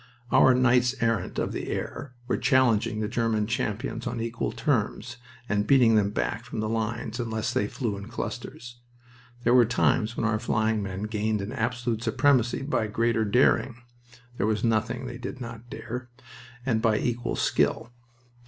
Our knights errant of the air were challenging the German champions on equal terms, and beating them back from the lines unless they flew in clusters. There were times when our flying men gained an absolute supremacy by greater daring there was nothing they did not dare and by equal skill.